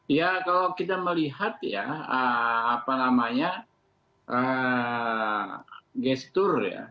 ya kalau kita melihat ya apa namanya gestur ya